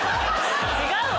違うわ！